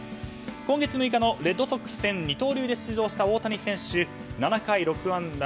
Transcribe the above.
今月６日のレッドソックス戦二刀流で出場した大谷選手７回６安打